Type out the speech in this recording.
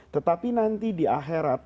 tetapi nanti di akhirat